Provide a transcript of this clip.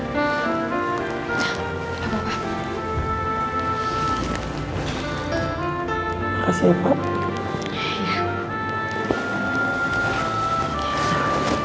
makasih ya pak